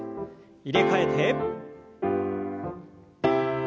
入れ替えて。